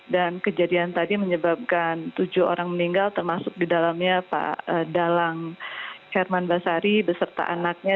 dan kejadian tadi menyebabkan tujuh orang meninggal termasuk di dalamnya pak dalang herman basari beserta anaknya